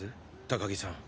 高木さん。